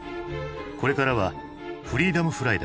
これからはフリーダムフライだ」。